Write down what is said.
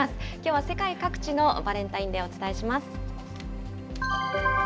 きょうは世界各地のバレンタインデーをお伝えします。